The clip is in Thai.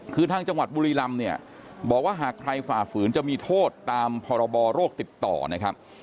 คือทางจังหวัดบุรีรำเนี่ยบอกว่าหากใครฝ่าฝืนจะมีโทษตามพรบโรคติดต่อนะครับ